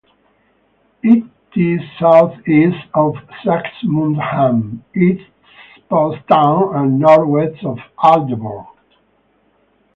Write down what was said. It is southeast of Saxmundham, its post town, and northwest of Aldeburgh.